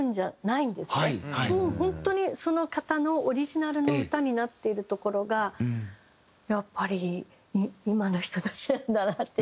本当にその方のオリジナルの歌になっているところがやっぱり今の人たちなんだなっていうか。